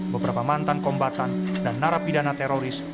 beberapa mantan kombatan dan narapidana teroris